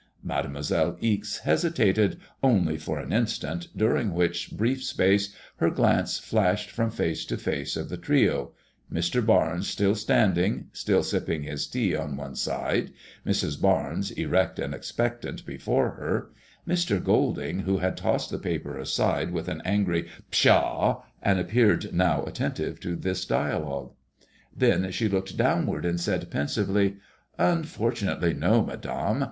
Mademoiselle Ixe hesitated, only for an instant, during which brief space her glance flashed from face to face of the trio : Mr. Barnes, still standing, still sipping his tea on one side ; Mrs. Barnes, erect and expectant before her; Mr. Golding, who had tossed the paper aside with an angry " Pshaw," and appeared now attentive to this dialogue. Then she looked downward and said, pensively :" Unfor tunately, no, Madame.